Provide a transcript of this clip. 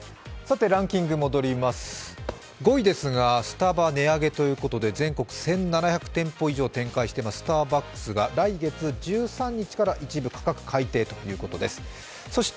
ランキングに戻りまして５位ですが、スタバ値上げということですが、全国１７００店舗以上を展開しているスターバックスが来月１３日から一部価格改定ということです。